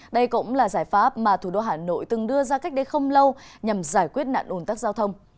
đây cũng là giải pháp mà thủ đô hà nội từng đưa ra cách đây không lâu nhằm giải quyết nạn ồn tắc giao thông